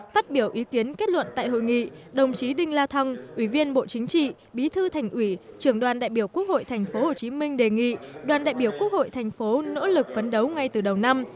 phát biểu ý kiến kết luận tại hội nghị đồng chí đinh la thăng ủy viên bộ chính trị bí thư thành ủy trưởng đoàn đại biểu quốc hội tp hcm đề nghị đoàn đại biểu quốc hội thành phố nỗ lực phấn đấu ngay từ đầu năm